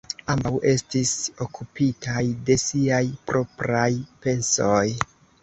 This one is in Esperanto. Ambaŭ estis okupitaj de siaj propraj pensoj.